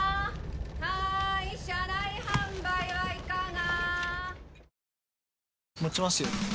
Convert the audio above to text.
はい車内販売はいかが？